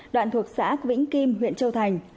đoạn thuộc xã vĩnh kim huyện châu thành